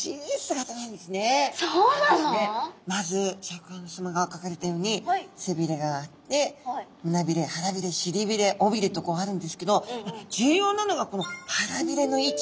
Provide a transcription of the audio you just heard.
まずシャーク香音さまがかかれたように背びれがあって胸びれ腹びれしりびれおびれとあるんですけど重要なのがこの腹びれの位置。